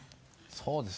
そうです。